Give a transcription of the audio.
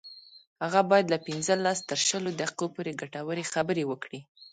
هغه باید له پنځلس تر شلو دقیقو پورې ګټورې خبرې وکړي